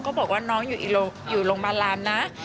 บอกว่าน้องอยู่โรงพยาบาลรามนะ